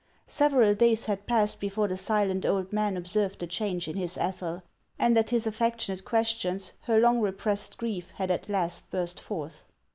Several days had passed before the silent old man observed the change in his Ethel, and at his affectionate questions her long repressed grief had at last burst forth.